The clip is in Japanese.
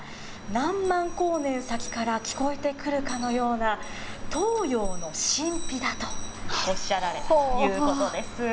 何万光年先から聞こえてくるかのような、東洋の神秘だとおっしゃられたということです。